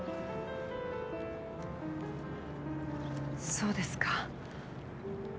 そうですか。